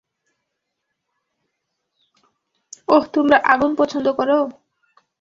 ওহ, তোমরা আগুন পছন্দ করো?